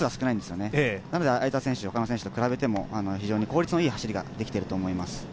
なので相澤選手、他の選手と比べても非常に効率のいい走りができていると思います。